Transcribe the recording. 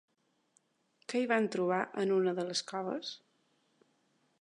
Què hi van trobar en una de les coves?